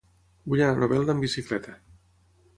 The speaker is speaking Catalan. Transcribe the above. Vull anar a Novelda amb bicicleta.